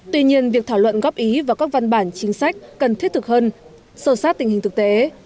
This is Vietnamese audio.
tuy nhiên việc thảo luận góp ý và các văn bản chính sách cần thiết thực hơn sâu sát tình hình thực tế